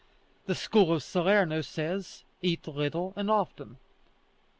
The school of Salerno says, "Eat little and often."